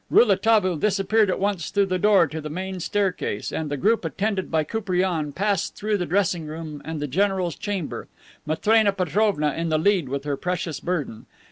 Rouletabille disappeared at once through the door to the main staircase, and the group attended by Koupriane, passed through the dressing room and the general's chamber, Matrena Petrovna in the lead with her precious burden.